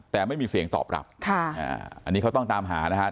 แต่ไม่มีเสียงตอบรับอันนี้เขาต้องตามหานะครับ